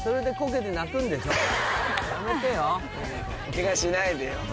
ケガしないでよ。